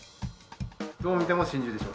どう見ても真珠でしょ？